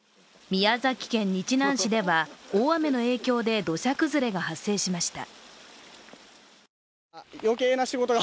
宮崎県日南市では大雨の影響で土砂崩れが発生しました。